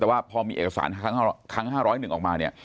แต่ว่าพอมีเอกสารครั้ง๕๐๑ออกมาเนี่ย